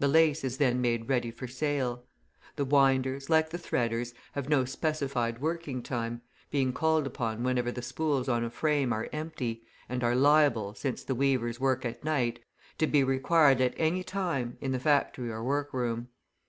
The lace is then made ready for sale. The winders, like the threaders, have no specified working time, being called upon whenever the spools on a frame are empty, and are liable, since the weavers work at night, to be required at any time in the factory or workroom.